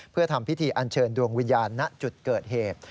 เพื่อทำพิธีอันเชิญดวงวิญญาณณจุดเกิดเหตุ